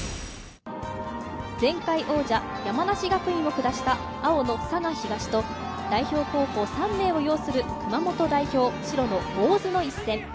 前回王者・山梨学院を下した青の佐賀東と代表候補３名を擁する熊本代表・白の大津の一戦。